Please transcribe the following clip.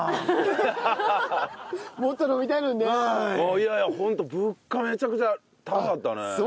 いやいやホント物価めちゃくちゃ高かったね。